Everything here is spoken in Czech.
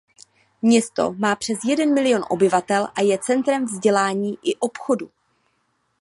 Město má přes jeden milion obyvatel a je centrem vzdělání i obchodu.